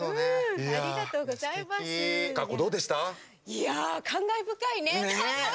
いや、感慨深いね。